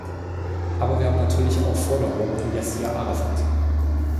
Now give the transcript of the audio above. Aber wir haben natürlich auch Forderungen an Jassir Arafat.